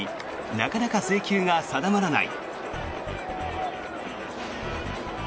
なかなか制球が定まらない。